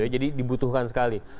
jadi dibutuhkan sekali